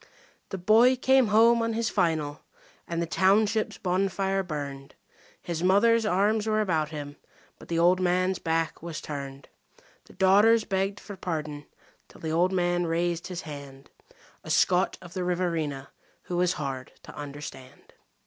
The boy came home on his "final", and the township's bonfire burned. His mother's arms were about him; but the old man's back was turned. The daughters begged for pardon till the old man raised his hand A Scot of the Riverina who was hard to understand.